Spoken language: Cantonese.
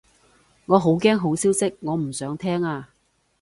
我好驚好消息，我唔想聽啊